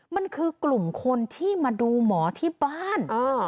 มันคือกลุ่มคนที่มาดูหมอที่บ้าน